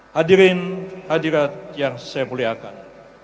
hadirin hadirat yang saya muliakan